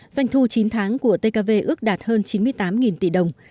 doanh thu chín tháng của tkv ước đạt hơn chín mươi tám tỷ đồng